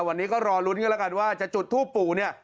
วันนี้ก็รอลุ้นกันแล้วกันว่าจะจุดทูปปู่เนี่ย